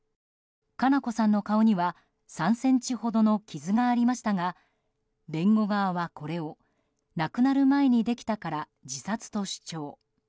佳菜子さんの顔には３ｃｍほどの傷がありましたが弁護側はこれを亡くなる前にできたから自殺と主張。